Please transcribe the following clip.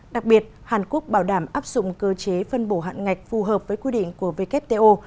đặc biệt hàn quốc bảo đảm áp dụng cơ chế phân bổ hạn ngạch phù hợp với quy định của wto